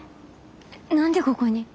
えっ何でここに？